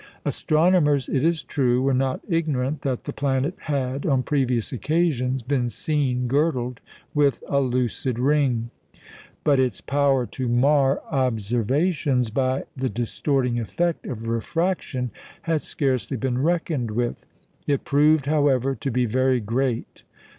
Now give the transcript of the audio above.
Astronomers, it is true, were not ignorant that the planet had, on previous occasions, been seen girdled with a lucid ring; but its power to mar observations by the distorting effect of refraction had scarcely been reckoned with. It proved, however, to be very great.